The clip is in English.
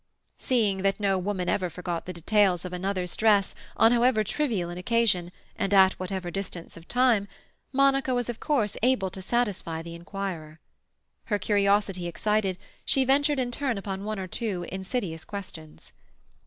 Seeing that no woman ever forgot the details of another's dress, on however trivial an occasion, and at whatever distance of time, Monica was of course able to satisfy the inquirer. Her curiosity excited, she ventured in turn upon one or two insidious questions.